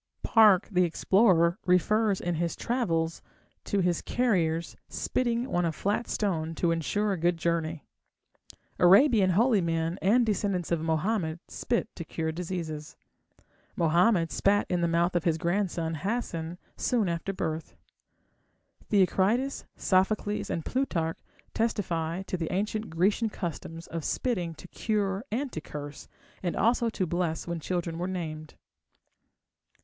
Park, the explorer, refers in his Travels to his carriers spitting on a flat stone to ensure a good journey. Arabian holy men and descendants of Mohammed spit to cure diseases. Mohammed spat in the mouth of his grandson Hasen soon after birth. Theocritus, Sophocles, and Plutarch testify to the ancient Grecian customs of spitting to cure and to curse, and also to bless when children were named.